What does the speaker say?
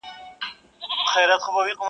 بدلوي په یوه ورځ کي سل رنګونه سل قولونه -